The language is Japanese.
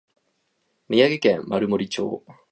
宮城県丸森町